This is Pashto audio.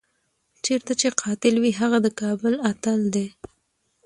چېرته چې قاتل وي هغه د کابل اتل دی.